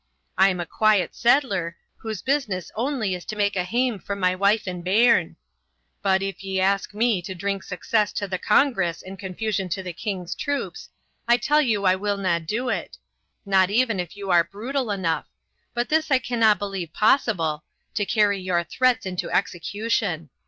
I am a quiet settler, whose business only is to mak a hame for my wife and bairn; but, if you ask me to drink success to the Congress and confusion to the king's troops, I tell you I willna do it; not even if you are brutal enough, but this I canna believe possible, to carry your threats into execution.